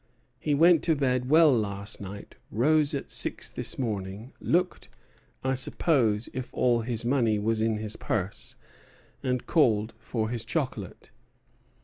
He went to bed well last night, rose at six this morning as usual, looked, I suppose, if all his money was in his purse, and called for his chocolate.